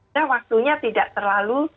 ya waktunya tidak terlalu